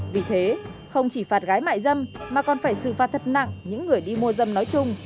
vì thế không chỉ phạt gái mại dâm mà còn phải xử phạt thật nặng những người đi mua dâm nói chung